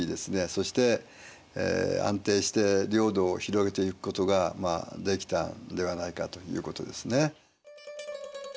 そして安定して領土を広げていくことができたんではないかということですね。